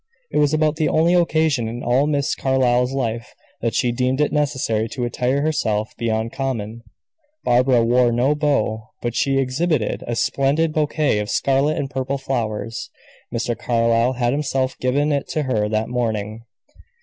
It was about the only occasion, in all Miss Carlyle's life, that she deemed it necessary to attire herself beyond common. Barbara wore no bow, but she exhibited a splendid bouquet of scarlet and purple flowers. Mr. Carlyle had himself given it to her that morning.